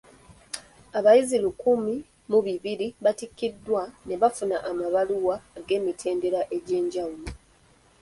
Abayizi lukumi mu bibiri batikkiddwa ne bafuna amabaluwa ag’emitendera egy'enjawulo.